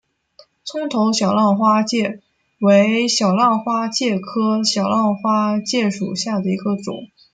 葱头小浪花介为小浪花介科小浪花介属下的一个种。